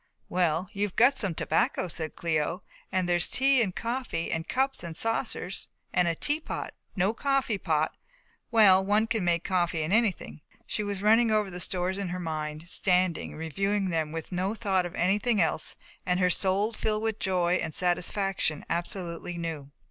"Well, you've got some tobacco," said Cléo, "and there's tea and coffee and cups and saucers, and a teapot no coffeepot well one can make coffee in anything " She was running over the stores in her mind, standing, reviewing them with no thought of anything else and her soul filled with a joy and satisfaction absolutely new.